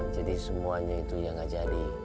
jadi semuanya itu yang ga jadi